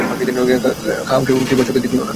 কাহাকেও কৃপার চোখে দেখিও না।